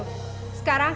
sekarang kamu harus keluar